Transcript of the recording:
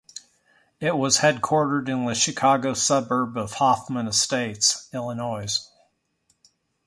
It was headquartered in the Chicago suburb of Hoffman Estates, Illinois.